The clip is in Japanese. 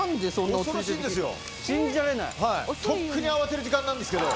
とっくに慌てる時間なんですけど。